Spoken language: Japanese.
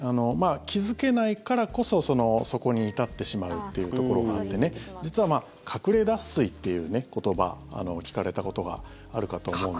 気付けないからこそそこに至ってしまうっていうところがあって実は隠れ脱水っていう言葉聞かれたことがあるかと思うんです。